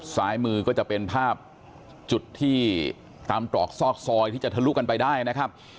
ซ้ายมือก็จะเป็นภาพจุดที่ตามตรอกซอกซอยที่จะทะลุกันไปได้นะครับ